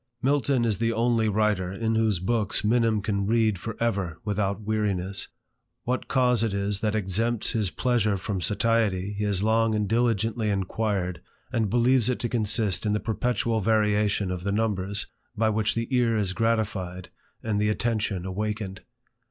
Milton is the only writer in whose books Minim can read for ever without weariness. What cause it is that exempts this pleasure from satiety he has long and diligently inquired, and believes it to consist in the perpetual variation of the numbers, by which the ear is gratified and the attention awakened.